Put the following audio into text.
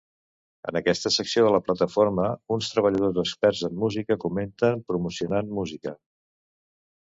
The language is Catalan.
En aquesta secció de la plataforma, uns treballadors experts en música comenten promocionant música.